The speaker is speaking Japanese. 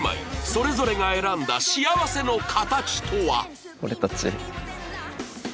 それぞれが選んだ幸せの形とは！？